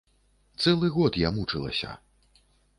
Цэлы год я мучылася.